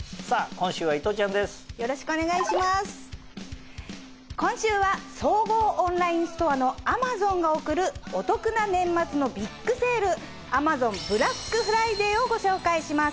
今週は総合オンラインストアのＡｍａｚｏｎが送るお得な年末のビッグセール「アマゾンブラックフライデー」をご紹介します。